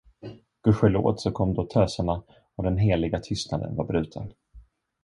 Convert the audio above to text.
Gudskelov, så kom då töserna, och den heliga tystnaden var bruten.